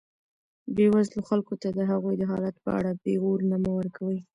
بېوزلو خلکو ته د هغوی د حالت په اړه پېغورونه مه ورکوئ.